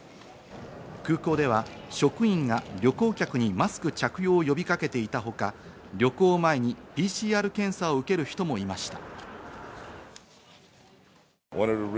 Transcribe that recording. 空港では職員が旅行客にマスク着用を呼びかけていたほか、旅行を前にＰＣＲ検査を受ける人もいました。